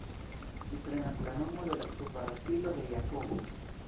Ĝi prenas la nomo de la kvara filo de Jakobo.